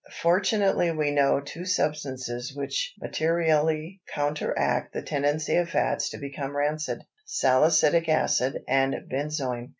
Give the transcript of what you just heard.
Fortunately we know two substances which materially counteract the tendency of fats to become rancid: salicylic acid and benzoin.